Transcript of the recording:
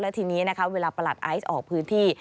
แล้วทีนี้เวลาประหลัดไอซ์ออกพื้นที่